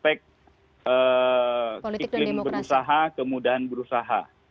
yang turun dari tiga kelompok besar tersebut itu pada aspek iklim berusaha kemudahan berusaha